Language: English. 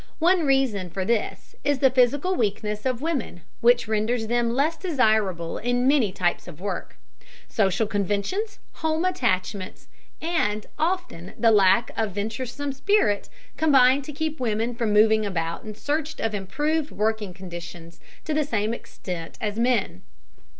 One reason for this is the physical weakness of women, which renders them less desirable in many types of work. Social conventions, home attachments, and, often, the lack of the venturesome spirit, combine to keep women from moving about in search of improved working conditions to the same extent as men.